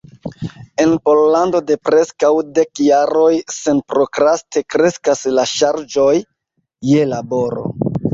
En Pollando de preskaŭ dek jaroj senprokraste kreskas la ŝarĝoj je laboro.